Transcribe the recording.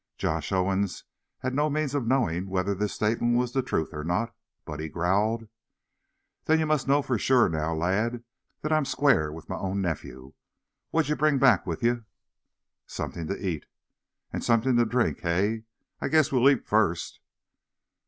Josh Owen had no means of knowing whether this statement was the truth or not, but he growled: "Then ye must know for sure, now, lad, that I'm square with my own nephew. What'd ye bring back with ye?" "Something to eat." "And something to drink, hey? I guess we'll eat first."